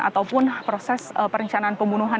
ataupun proses perencanaan pembunuhan